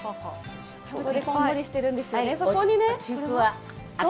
こんもりしているんですよね。